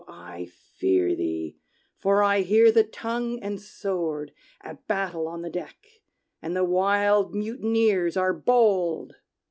I fear thee, for I hear the tongue and sword At battle on the deck, and the wild mutineers are bold!